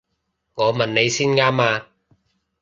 我問你先啱啊！